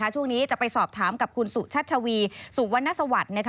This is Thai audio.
ช่วงนี้จะไปสอบถามกับคุณสุชัชวีสุวรรณสวัสดิ์